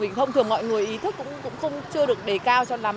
bình thông thường mọi người ý thức cũng chưa được đề cao cho lắm